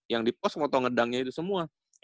yang dipost foto ngedangnya itu semua